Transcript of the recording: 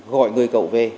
gọi người cậu về